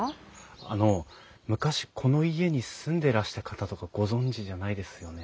あの昔この家に住んでらした方とかご存じじゃないですよね？